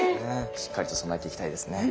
しっかりと備えていきたいですね。